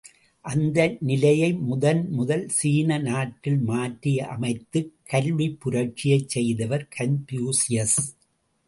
அந்த நிலையை முதன் முதல் சீன நாட்டில் மாற்றி அமைத்துக் கல்விப் புரட்சியைச் செய்தவர் கன்பூசியஸ்!